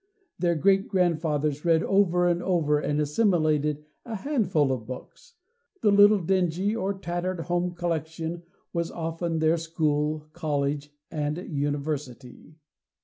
Their great grandfathers read over and over and assimilated a handful of books. The little dingy or tattered home collection was often their school, college and university.